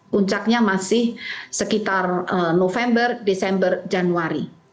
puncaknya masih sekitar november desember januari